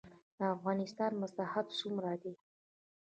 د افغانستان مساحت څومره دی؟